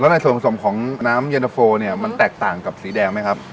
ในส่วนผสมของน้ำเย็นตะโฟเนี่ยมันแตกต่างกับสีแดงไหมครับ